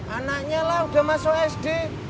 anaknya lah sudah masuk sd